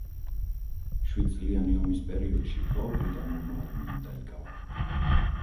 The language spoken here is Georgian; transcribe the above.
შვიდწლიანი ომის პერიოდში კვლავ ბრიტანულმა არმიამ დაიკავა.